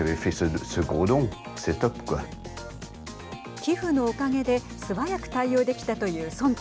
寄付のおかげで素早く対応できたという村長。